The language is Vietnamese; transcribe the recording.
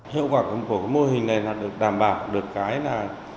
hiệu quả của mô hình này là được đảm bảo được cái là